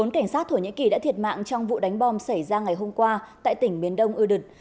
một mươi bốn cảnh sát thổ nhĩ kỳ đã thiệt mạng trong vụ đánh bom xảy ra ngày hôm qua tại tỉnh miền đông ưu đực